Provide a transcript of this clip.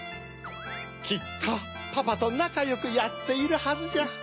きっとパパとなかよくやっているはずじゃ。